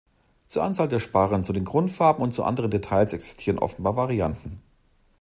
Zur Anzahl der Sparren, zu den Grundfarben und zu anderen Details existieren offenbar Varianten.